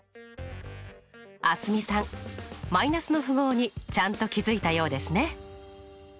蒼澄さん−の符号にちゃんと気付いたようですね。